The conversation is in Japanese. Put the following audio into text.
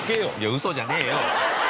ウソじゃねえよ。